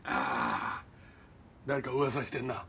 誰か噂してるな。